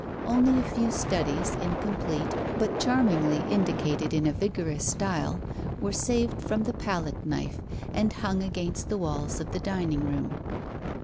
Only a few studies, incomplete, but charmingly indicated in a vigorous style, were saved from the palette knife, and hung against the walls of the dining room.